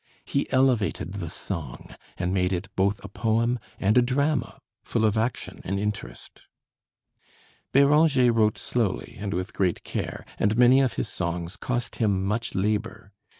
He elevated the song and made it both a poem and a drama, full of action and interest. Béranger wrote slowly and with great care, and many of his songs cost him much labor.